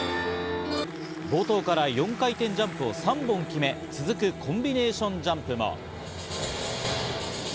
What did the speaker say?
冒頭から４回転ジャンプを３本決め、続くコンビネーションジャンプも。